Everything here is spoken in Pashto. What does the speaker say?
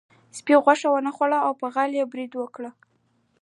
سپي غوښه ونه خوړله او په غل یې برید وکړ.